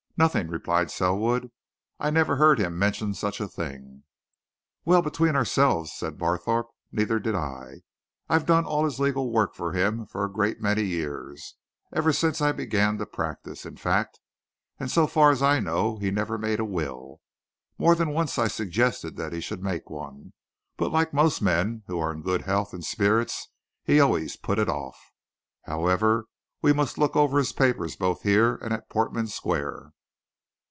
"Nothing," replied Selwood. "I never heard him mention such a thing." "Well, between ourselves," said Barthorpe, "neither did I. I've done all his legal work for him for a great many years ever since I began to practice, in fact and so far as I know, he never made a will. More than once I've suggested that he should make one, but like most men who are in good health and spirits, he always put it off. However, we must look over his papers both here and at Portman Square."